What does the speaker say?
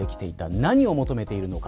何を求めているのか。